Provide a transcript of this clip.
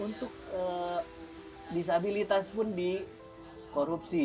untuk disabilitas pun di korupsi